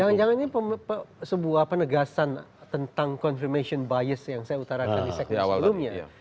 jangan jangan ini sebuah penegasan tentang confirmation bias yang saya utarakan di segmen sebelumnya